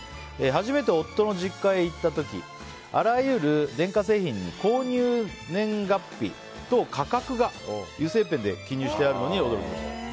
初めて夫の実家に行った時あらゆる電化製品に購入年月日と価格が油性ペンで記入してあるのに驚きました。